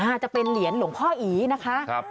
อาจจะเป็นเหรียญหลวงพ่ออีนะคะ